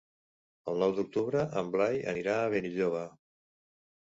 El nou d'octubre en Blai anirà a Benilloba.